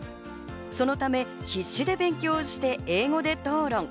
そのため必死で勉強して、英語で討論。